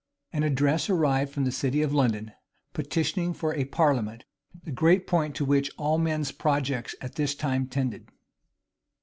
[*] An address arrived from the city of London, petitioning for a parliament; the great point to which all men's projects at this time tended.